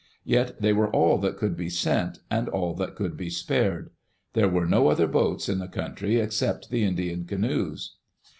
Yet they were all that could be sent, and all that could be spared. There were no other boats in the country except the Indian canoes.